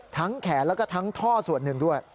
แขนแล้วก็ทั้งท่อส่วนหนึ่งด้วย